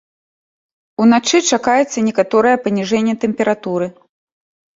Уначы чакаецца некаторае паніжэнне тэмпературы.